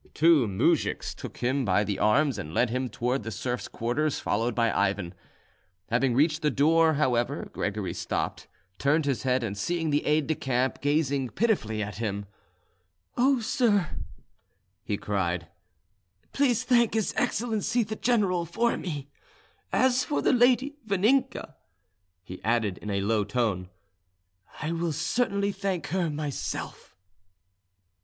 Two moujiks took him by the arms and led him towards the serfs' quarters, followed by Ivan. Having reached the door, however, Gregory stopped, turned his head, and seeing the aide de camp gazing pitifully at him, "Oh sir," he cried, "please thank his excellency the general for me. As for the lady Vaninka," he added in a low tone, "I will certainly thank her myself."